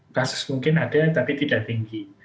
kasus mungkin ada tapi tidak tinggi